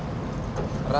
masaknya lebih enak